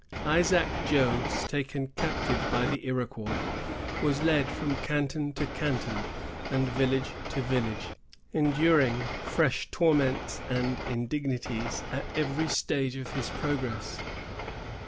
Isaac Jogues, taken captive by the Iroquois, was led from canton to canton, and village to village, enduring fresh torments and indignities at every stage of his progress.